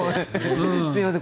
すみません。